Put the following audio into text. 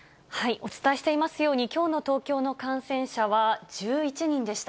お伝えしていますように、きょうの東京の感染者は１１人でした。